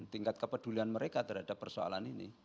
tingkat kepedulian mereka terhadap persoalan ini